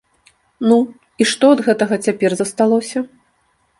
Ну, і што ад гэтага цяпер засталося?